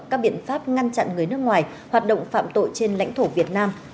các biện pháp ngăn chặn người nước ngoài hoạt động phạm tội trên lãnh thổ việt nam